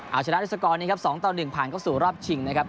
เอาชนะอุตสกรนี้ครับ๒๑ผ่านเข้าสู่รอบชิงนะครับ